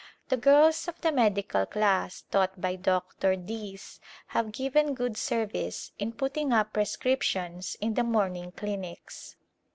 The girls of the medical class taught by Dr. Dease have given good service in putting up prescriptions in the morning clinics.